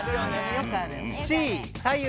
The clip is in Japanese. よくある。